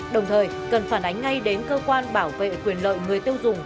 đồng thời cần phản ánh ngay đến cơ quan bảo vệ quyền lợi người tiêu dùng